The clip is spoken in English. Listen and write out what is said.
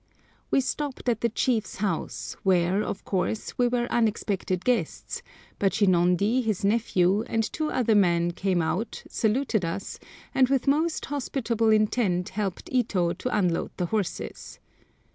We stopped at the chief's house, where, of course, we were unexpected guests; but Shinondi, his nephew, and two other men came out, saluted us, and with most hospitable intent helped Ito to unload the horses.